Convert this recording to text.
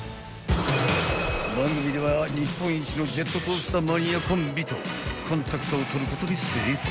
［番組では日本一のジェットコースターマニアコンビとコンタクトを取ることに成功］